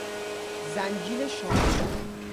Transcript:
زنجیل شامی